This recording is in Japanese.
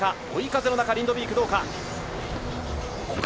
追い風の中、リンドビークどうか。